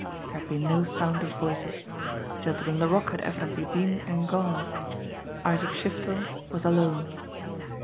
There had been no sound of voices. Gentleman Laroque had evidently been and gone. Isaac Shiftel was alone.